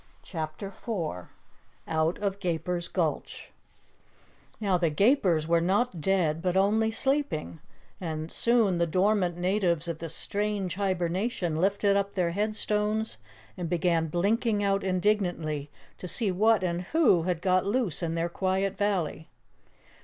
CHAPTER 4 Out of Gaper's Gulch Now the Gapers were not dead, but only sleeping, and soon the dormant natives of this strange Hibernation lifted up their headstones and began blinking out indignantly to see what and who had got loose in their quiet valley.